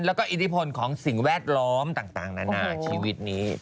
แล้วก็อิทธิพลของสิ่งแวดล้อมต่างนานาชีวิตนี้